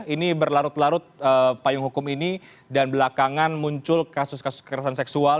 ini berlarut larut payung hukum ini dan belakangan muncul kasus kasus kekerasan seksual